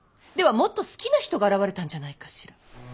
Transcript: ではもっと好きな人が現れたんじゃないかしら。